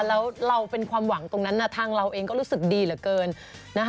แล้วเราเป็นความหวังตรงนั้นทางเราเองก็รู้สึกดีเหลือเกินนะคะ